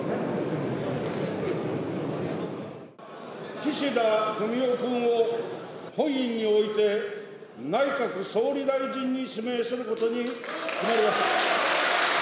岸田文雄君を本院において、内閣総理大臣に指名することに決まりました。